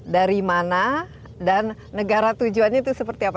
dari mana dan negara tujuannya itu seperti apa